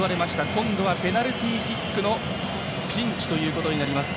今度はペナルティーキックのピンチとなります。